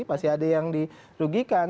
pasti ada yang diuntungkan